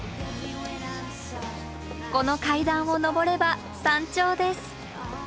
この階段を登れば山頂です。